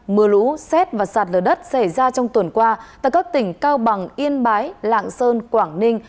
mưa lũ xét và sạt lở đất xảy ra trong tuần qua tại các tỉnh cao bằng yên bái lạng sơn quảng ninh